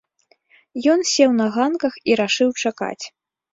Ён сеў на ганках і рашыў чакаць.